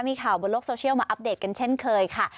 มีข่าวบนโลกโซเชียลมาอัปเดตกันเช่นเคยค่ะ